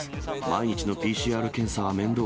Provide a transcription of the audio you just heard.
毎日のＰＣＲ検査は面倒。